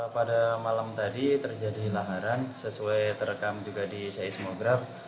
pada malam tadi terjadi laharan sesuai terekam juga di seismograf